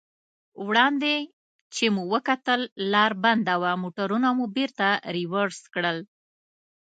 وړاندې چې مو وکتل لار بنده وه، موټرونه مو بېرته رېورس کړل.